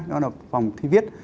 đó là vòng thi viết